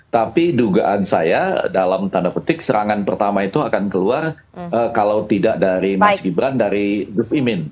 tapi dugaan saya dalam tanda petik serangan pertama itu akan keluar kalau tidak dari mas gibran dari gus imin